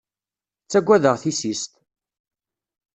Ttagadeɣ tissist!